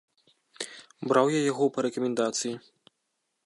Браў я яго па рэкамендацыі.